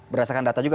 berdasarkan data juga